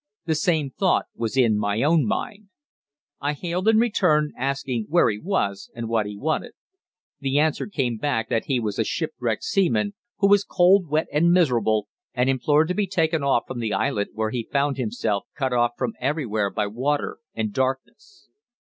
The same thought was in my own mind. I hailed in return, asking where he was and what he wanted. The answer came back that he was a shipwrecked seaman, who was cold, wet, and miserable, and implored to be taken off from the islet where he found himself, cut off from everywhere by water and darkness.